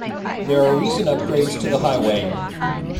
There are recent upgrades to the highway.